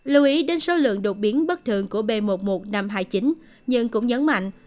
lưu ý đến số lượng đột biến bất thường của b một mươi một nghìn năm trăm hai mươi chín nhưng cũng nhấn mạnh